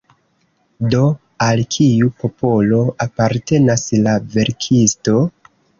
Do, al kiu popolo apartenas la verkisto?